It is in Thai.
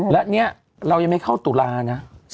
และเนี่ยเรายังไม่เข้าตุลานะ